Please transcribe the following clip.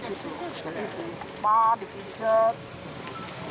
jadi di spa di pijat